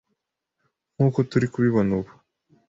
nkuko turimo kubibona ubu